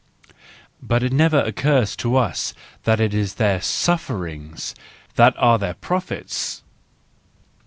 But it never occurs to us that it is their sufferings —that are their prophets!